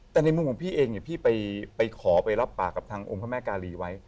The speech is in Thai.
แต่ในมุมของพี่เองเนี่ยพี่ไปขอไปรับปากกับทางองค์พระแม่กาลีไว้